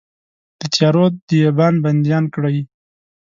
د تیارو دیبان بنديان کړئ